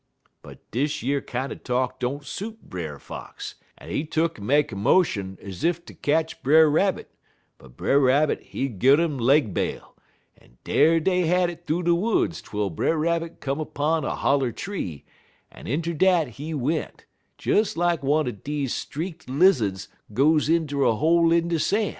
"But dish yer kinder talk don't suit Brer Fox, en he tuck'n make a motion 'zef ter ketch Brer Rabbit, but Brer Rabbit he 'gun 'im leg bail, en dar dey had it thoo de woods twel Brer Rabbit come 'pon a holler tree, en inter dat he went, des lak one er deze streaked lizzuds goes inter a hole in de san'."